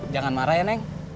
jangan marah ya neng